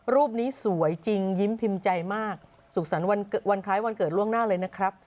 รูปนี้สวยจริงยิ้มพิมพ์ใจมากสุขสรรค์วันคล้ายวันเกิดล่วงหน้าเลยนะครับ